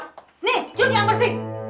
nih cucian bersih